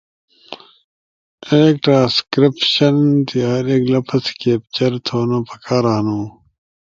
ایک ٹرانسکرائبشن تی ہر ایک لفظ کیپچر تھونو پکار ہنو